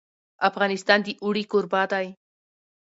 افغانستان د اوړي کوربه دی.